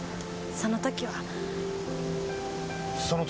その時は？